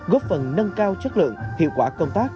góp phần nâng cao chất lượng hiệu quả công tác